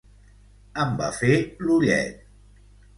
Em va fer l'ullet.